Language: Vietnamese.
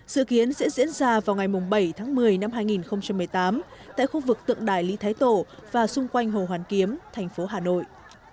dự kiến sẽ diễn ra vào ngày bảy tháng một mươi năm hai nghìn một mươi tám tại khu vực tượng đài lý thái tổ và xung quanh hồ hoàn kiếm thành phố hà nội